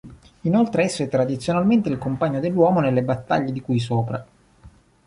Inoltre esso è tradizionalmente il compagno dell'uomo nelle battaglie, di cui sopra.